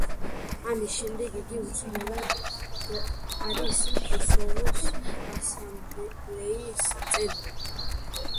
ამის შემდეგ, იგი უცვლელად არის კოსოვოს ასამბლეის წევრი.